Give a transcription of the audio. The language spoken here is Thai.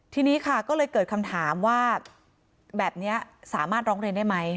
ทีนี้ค่ะก็เลยเกิดคำถามว่าแบบนี้สามารถร้องเรียนได้ไหม